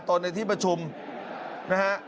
ตนในที่ประชุมนะฮะ